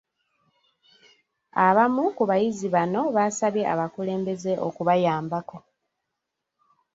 Abamu ku bayizi bano basabye abakulembeze okubayambako.